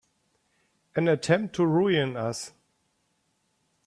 An attempt to ruin us!